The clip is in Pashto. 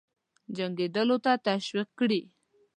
جنګېدلو ته تشویق کړي.